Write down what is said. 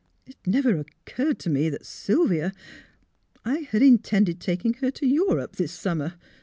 It never occurred to me that Sylvia I had intended taking her to Europe this summer.